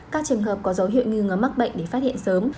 các trường hợp có dấu hiệu nghi ngờ mắc bệnh để phát hiện sớm